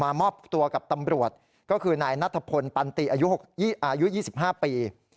มอบตัวกับตำรวจก็คือนายนัทพลปันติอายุ๒๕ปี